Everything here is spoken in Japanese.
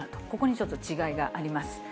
ここにちょっと違いがあります。